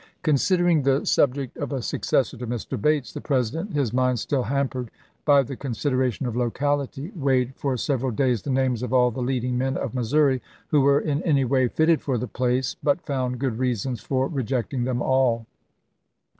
Considering the subject of a successor to Mr. Bates, the President, his mind still hampered by the consideration of locality, weighed for several days the names of all the leading men of Missouri who were in any way fitted for the place, but found good reasons for re jecting them all.